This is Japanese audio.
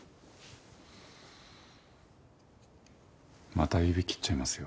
また指切っちゃいますよ。